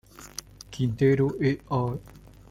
Quintero et al.